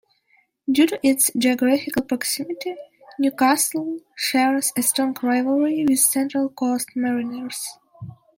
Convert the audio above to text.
Due to its geographical proximity, Newcastle shares a strong rivalry with Central Coast Mariners.